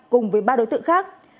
cùng với ba đối tượng khác